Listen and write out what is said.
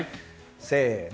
せの！